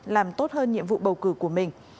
làm tốt hơn nhiệm vụ bầu cử của mình